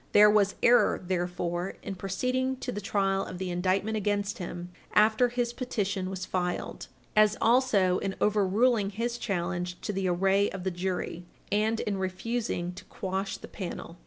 There was error, therefore, in proceeding to the trial of the indictment against him after his petition was filed as also in overruling his challenge to the array of the jury and in refusing to quash the panel.